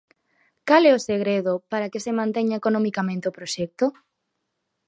Cal é o segredo para que se manteña economicamente o proxecto?